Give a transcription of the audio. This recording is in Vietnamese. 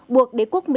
buộc đế quốc mỹ